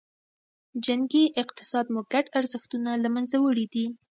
جنګي اقتصاد مو ګډ ارزښتونه له منځه وړي دي.